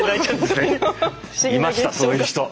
いましたそういう人。